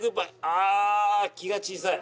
あ気が小さい。